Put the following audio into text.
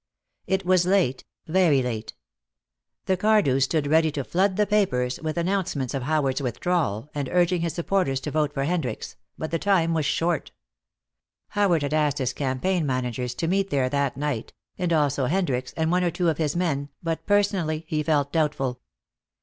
It was late; very late. The Cardews stood ready to flood the papers with announcements of Howard's withdrawal, and urging his supporters to vote for Hendricks, but the time was short. Howard had asked his campaign managers to meet there that night, and also Hendricks and one or two of his men, but personally he felt doubtful.